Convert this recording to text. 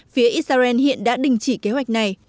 phía israel hiện đã đình chỉ kế hoạch này